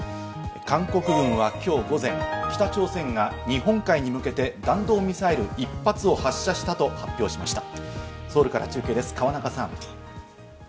韓国軍はきょう午前、北朝鮮が日本海に向けて弾道ミサイル１発を発射したと発表しました。